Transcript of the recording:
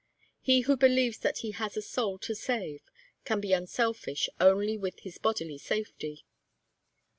He who believes that he has a soul to save can be unselfish only with his bodily safety.